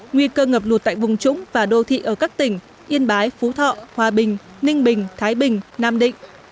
nguy cơ ngập lụt tại vùng trũng và đô thị ở các tỉnh yên bái phú thọ hòa bình ninh bình thái bình nam định